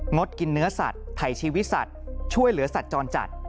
ดกินเนื้อสัตว์ไถ่ชีวิตสัตว์ช่วยเหลือสัตว์จรจัด